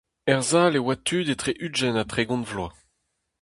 Er sal e oa tud etre ugent ha tregont vloaz.